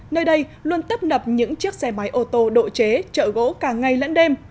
nơi đây luôn tất nập những chiếc xe máy ô tô độ chế chợ gỗ cả ngày lẫn đêm